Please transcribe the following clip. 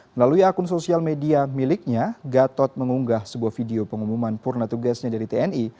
melalui akun sosial media miliknya gatot mengunggah sebuah video pengumuman purna tugasnya dari tni